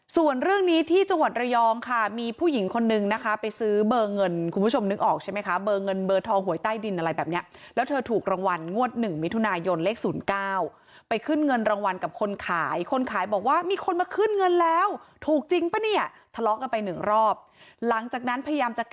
ส่วนเรื่องนี้ที่จังหวัดระยองค่ะมีผู้หญิงคนนึงนะคะไปซื้อเบอร์เงินคุณผู้ชมนึกออกใช่ไหมคะเบอร์เงินเบอร์ทองหวยใต้ดินอะไรแบบเนี้ยแล้วเธอถูกรางวัลงวดหนึ่งมิถุนายนเลข๐๙ไปขึ้นเงินรางวัลกับคนขายคนขายบอกว่ามีคนมาขึ้นเงินแล้วถูกจริงป่ะเนี่ยทะเลาะกันไปหนึ่งรอบหลังจากนั้นพยายามจะก